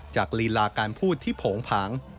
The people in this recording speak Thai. จากฤลาการพูดที่โผงผาง